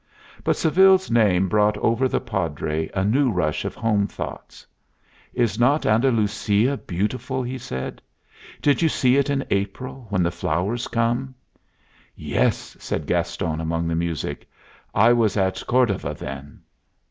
But Seville's name brought over the Padre a new rush of home thoughts. "Is not Andalusia beautiful?" he said. "Did you see it in April, when the flowers come?" "Yes," said Gaston, among the music. "I was at Cordova then."